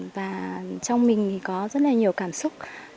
và trong mình thì có rất là nhiều cảm xúc